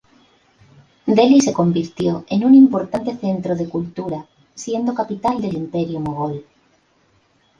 Delhi se convirtió en un importante centro de cultura, siendo capital del Imperio mogol.